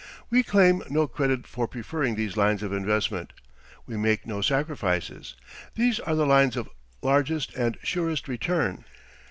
We claim no credit for preferring these lines of investment. We make no sacrifices. These are the lines of largest and surest return.